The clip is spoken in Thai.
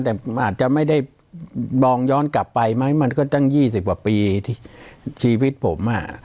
แต่มันอาจจะไม่ได้มองย้อนกลับไปไหมมันก็ตั้ง๒๐กว่าปีที่ชีวิตผมอ่ะ